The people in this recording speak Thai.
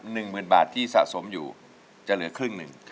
หนึ่งหมื่นบาทที่สะสมอยู่จะเหลือครึ่งหนึ่ง